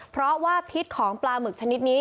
เพราะว่าพิษของปลาหมึกชนิดนี้